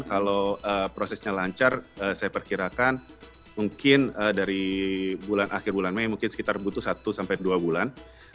kalau prosesnya lancar saya perkirakan mungkin dari bulan akhir bulan mei mungkin sekitar butuh satu sampai dua bulan